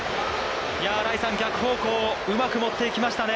新井さん、逆方向、うまく持っていきましたね。